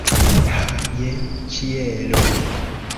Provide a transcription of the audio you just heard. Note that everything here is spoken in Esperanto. Ha, je ĉielo!